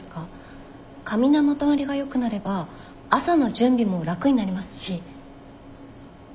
髪のまとまりがよくなれば朝の準備も楽になりますし。